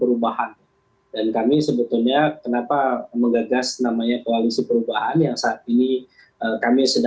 untuk bagi kami